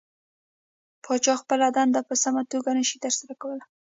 پاچا خپله دنده په سمه توګه نشي ترسره کولى .